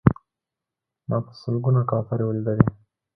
ما په سلګونه کوترې ولیدلې.